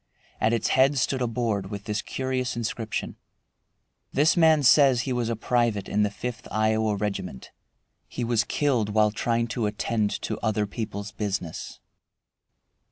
At its head stood a board with this curious inscription: "This man says he was a private in the Fifth Iowa Regiment. He was killed while trying to attend to other people's business."